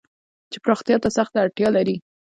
چې پراختيا ته سخته اړتيا لري.